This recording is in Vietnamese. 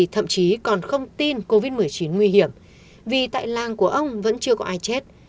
thậm chí còn không tin covid một mươi chín nguy hiểm vì tại làng của ông vẫn chưa có ai chết